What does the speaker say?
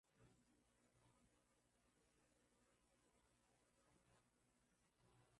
na upungufu wake Waturuki wana mithali mbaya